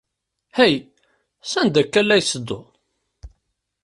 Hey, sanda akka ay la tettedduḍ?